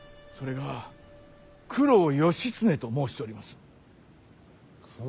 それが九郎義経と申しております。